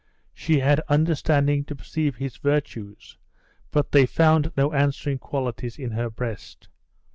She had understanding to perceive his virtues, but they found no answering qualities in her breast.